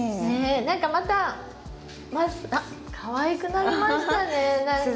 何かまたあっかわいくなりましたね何か。